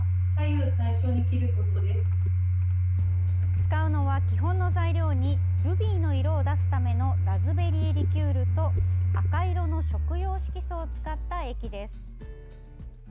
使うのは、基本の材料にルビーの色を出すためのラズベリーリキュールと赤色の食用色素を使った液です。